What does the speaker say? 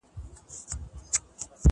نه جوړ کړی کفن کښ پر چا ماتم وو